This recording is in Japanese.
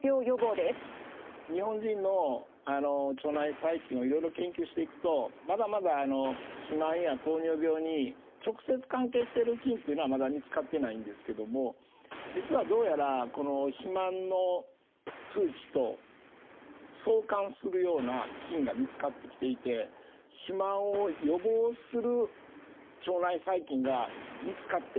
日本人の腸内細菌をいろいろ研究していくとまだまだ肥満や糖尿病に直接関係してる菌というのはまだ見つかってないんですけども実はどうやらこの肥満の数値と相関するような菌が見つかってきていて肥満を予防する腸内細菌が見つかって。